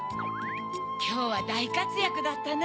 きょうはだいかつやくだったね